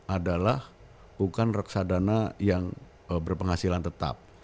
adalah bukan reksadana yang berpenghasilan tetap